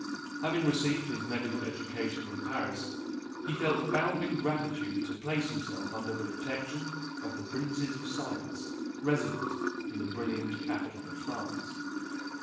Having received his medical education in Paris, he felt bound in gratitude to place himself under the protection of "the princes of science," resident in the brilliant capital of France.